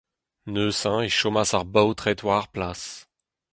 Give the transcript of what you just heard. Neuze e chomas ar baotred war ar plas.